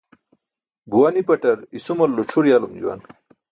Buwa nipaṭar isumalulu c̣ʰur yalum juwaan.